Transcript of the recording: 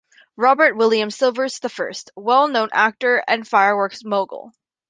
Robert William Silvers I, well-known director and fireworks mogul.